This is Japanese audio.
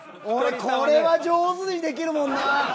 俺これは上手にできるもんなぁ。